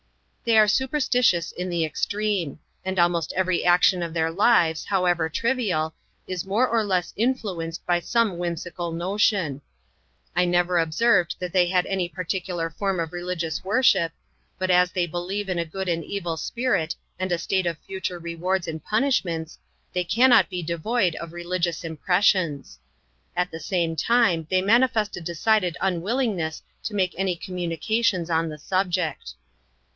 They are superstitious in the extreme; and almost every action of their lives, however trivial, is more or less influen ced by some whimsical notion. I never observed that they had any particular form of religious worship; but as they be lieve in a good and evil spirit; and a state of future rewards and punishments, they cannot be devoid of religious impres sions. At the same time they manifest a decided unwilling ness to make any communications on the subject.